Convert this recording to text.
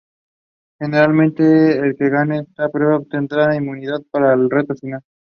Generalmente, el que gane esta prueba obtendrá inmunidad para el "reto final".